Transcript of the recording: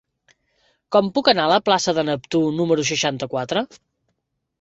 Com puc anar a la plaça de Neptú número seixanta-quatre?